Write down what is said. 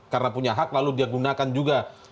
karena punya hak lalu digunakan juga